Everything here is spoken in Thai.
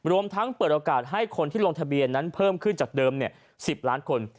รวมทั้งเปิดโอกาสให้คนที่ลงทะเบียนนั้นเพิ่มขึ้นจากเดิม๑๐ล้านคน